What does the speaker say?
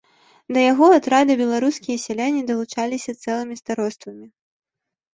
Да яго атрада беларускія сяляне далучаліся цэлымі староствамі.